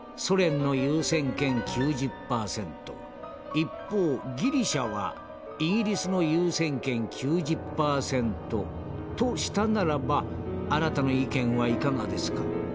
一方ギリシャはイギリスの優先権９０パーセントとしたならばあなたの意見はいかがですか？